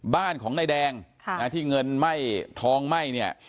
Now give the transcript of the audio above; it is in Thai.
บ้านของนายแดงที่เงินไหม้ทองไหม้เนี่ย